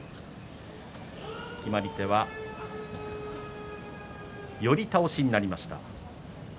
決まり手は寄り倒しになりました。